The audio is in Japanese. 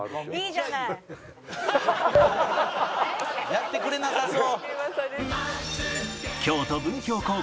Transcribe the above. やってくれなさそう。